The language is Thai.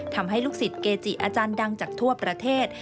ทำให้ลูกศิษย์เกจิอาจารย์ดังจากทั่วประเทศ